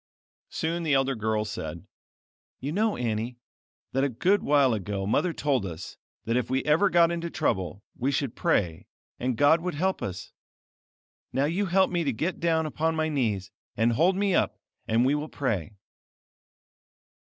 Soon the elder girl said: "You know, Annie, that a good while ago Mother told us that if we ever got into trouble we should pray and, God would help us. Now you help me to get down upon my knees, and hold me up, and we will pray."